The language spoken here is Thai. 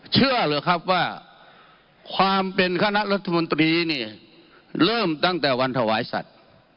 เชื่อหรือครับว่าความเป็นคณะรัฐมนตรีนี่เริ่มตั้งแต่วันถวายสัตว์